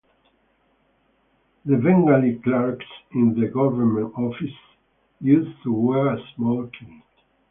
The Bengali clerks in the Government Offices used to wear a small key.